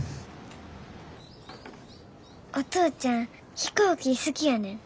お父ちゃん飛行機好きやねん。